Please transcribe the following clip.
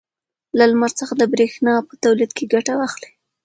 له لمر څخه د برېښنا په تولید کې ګټه واخلئ.